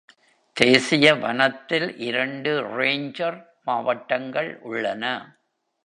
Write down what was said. தேசிய வனத்தில் இரண்டு ரேஞ்சர் மாவட்டங்கள் உள்ளன.